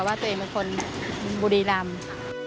ว่าตัวเองเป็นคนบุรีรำ